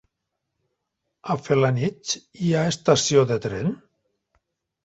A Felanitx hi ha estació de tren?